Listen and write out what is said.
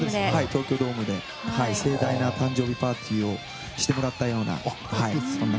東京ドームで盛大な誕生日パーティーをしてもらったような。